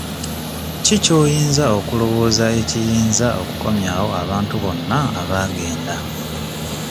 Ki ky'oyinza okulowooza ekiyinza okukomyawo abantu bonna abaagenda.